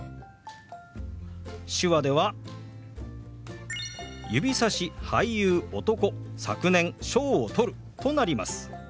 手話では「指さし俳優男昨年賞を取る」となります。